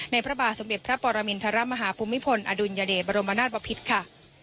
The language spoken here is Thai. ในพระบาสมเด็จพระปรมินทรมาฮภูมิพลอดุญเดบรมนาตปภิษฐ์ค่ะ